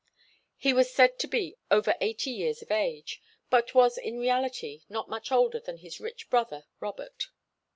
He was said to be over eighty years of age, but was in reality not much older than his rich brother Robert.